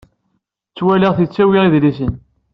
Ttwaliɣ-t yettawi idlisen.